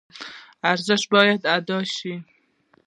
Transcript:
ارزش باید ادا شي.